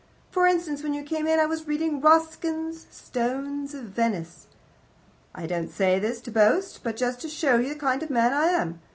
For instance, when you came in I was reading Ruskin's STONES OF VENICE. I don't say this to boast, but just to show you the kind of man I am.